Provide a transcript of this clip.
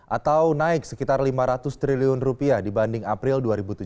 atau naik sekitar lima ratus triliun rupiah dibanding april dua ribu tujuh belas